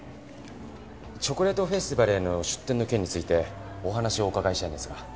チョコレートフェスティバルへの出店の件についてお話をお伺いしたいんですが。